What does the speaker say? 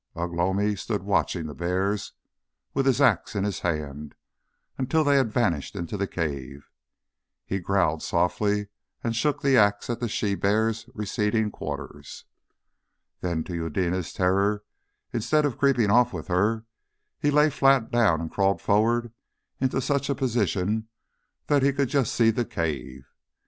Ugh lomi stood watching the bears, with his axe in his hand, until they had vanished into the cave. He growled softly, and shook the axe at the she bear's receding quarters. Then to Eudena's terror, instead of creeping off with her, he lay flat down and crawled forward into such a position that he could just see the cave.